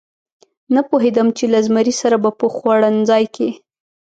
نه پوهېدم چې له زمري سره به په خوړنځای کې.